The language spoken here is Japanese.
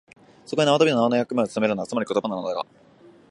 そこで縄跳びの縄の役目をつとめるのが、つまり言葉なのだが、